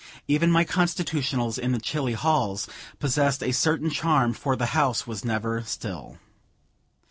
Even my constitutionals in the chilly halls, possessed a certain charm, for the house was never still.